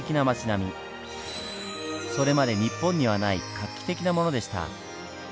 それまで日本にはない画期的なものでした。